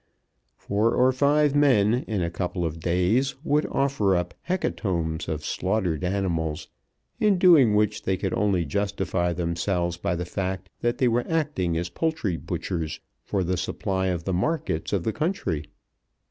Four or five men in a couple of days would offer up hecatombs of slaughtered animals, in doing which they could only justify themselves by the fact that they were acting as poultry butchers for the supply of the markets of the country.